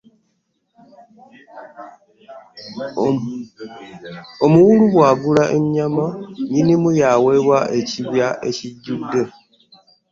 Omuwulu bwagula ennyama nnyinimu yaaweebwa ekibya ekijjudde.